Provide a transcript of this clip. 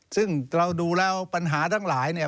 ซึ่งเราดูแล้วปัญหาทั้งหลายเนี่ย